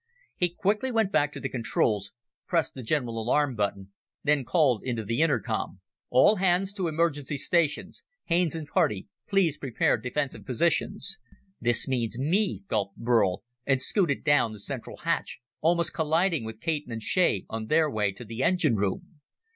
He quickly went back to the controls, pressed the general alarm button, then called into the intercom. "All hands to emergency stations. Haines and party, please prepare defensive positions." "This means me," gulped Burl, and scooted down the central hatch, almost colliding with Caton and Shea on their way to the engine room.